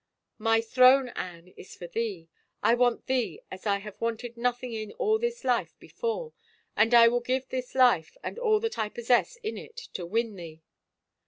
" My throne, Anne, is for thee. I want thee as I have wanted nothing in all this life before — and I will give this life and all that I possess in it to win thee.